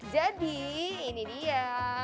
jadi ini dia